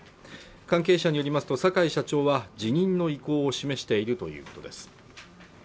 関係者によりますと坂井社長は辞任の意向を示しているということです